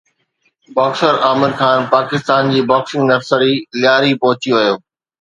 boxer Aamir Khan Pakistan جي boxing nursery Lyari پهچي ويو